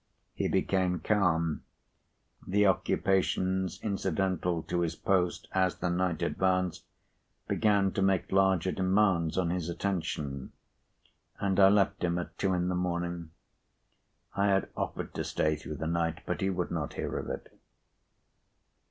p. 107He became calm; the occupations incidental to his post as the night advanced, began to make larger demands on his attention; and I left him at two in the morning. I had offered to stay through the night, but he would not hear of it.